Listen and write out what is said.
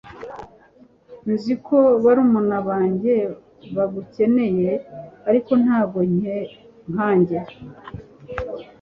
nzi ko barumuna banjye bagukeneye, ariko ntabwo nkanjye